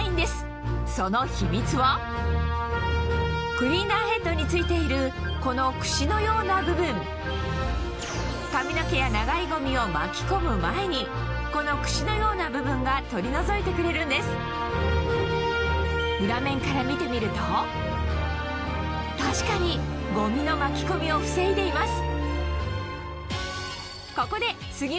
クリーナーヘッドに付いているこのクシのような部分髪の毛や長いゴミを巻き込む前にこのクシのような部分が取り除いてくれるんです裏面から見てみると確かにゴミの巻き込みを防いでいます